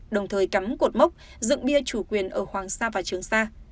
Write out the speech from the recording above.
đồng thời cắm cột mốc dựng bia chủ quyền ở hoàng sa và trường sa